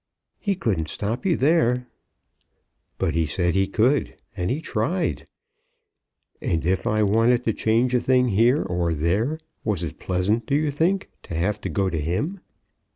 "He couldn't stop you there." "But he said he could, and he tried. And if I wanted to change a thing here or there, was it pleasant, do you think, to have to go to him?